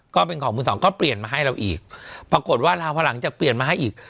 ก็เป็นของมือสองก็เปลี่ยนมาให้เราอีกปรากฏว่าพอหลังจากเปลี่ยนมาให้อีก